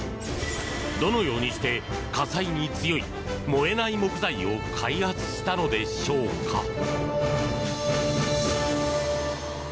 どのようにして火災に強い燃えない木材を開発したのでしょうか？